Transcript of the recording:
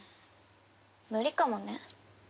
無理かもね。